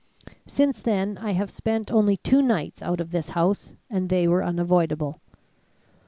Since then I have spent only two nights out of this house, and they were unavoidable.